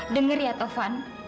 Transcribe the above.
dengar ya taufan